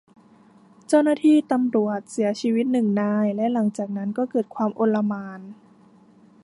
เจ้าหน้าที่ตำรวจเสียชีวิตหนึ่งนาย และหลังจากนั้นก็เกิดความอลหม่าน